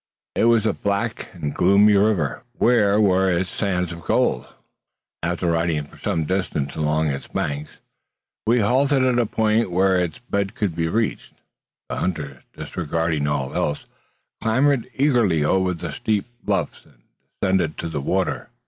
It was a black and gloomy river. Where were its sands of gold? After riding for some distance along its banks, we halted at a point where its bed could be reached. The hunters, disregarding all else, clambered eagerly over the steep bluffs, and descended to the water.